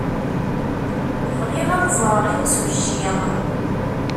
Bɣiɣ ad ẓreɣ imsujji.